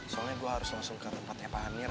soalnya gue harus langsung ke tempatnya pak amir